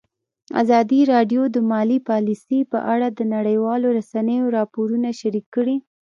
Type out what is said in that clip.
ازادي راډیو د مالي پالیسي په اړه د نړیوالو رسنیو راپورونه شریک کړي.